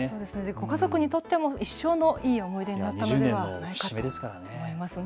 ご家族にとっても一生のいい思い出になったと思います。